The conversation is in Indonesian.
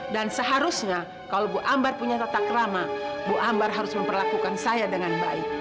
dan seharusnya kalau bu ambar punya tatak lama bu ambar harus memperlakukan saya dengan baik